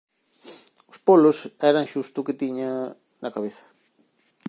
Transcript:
Os polos eran xusto o que tiña... na cabeza.